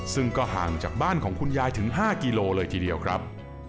ซึ่งก็ห่างจากบ้านของคุณยายถึง๕กิโลเลยทีเดียวครับ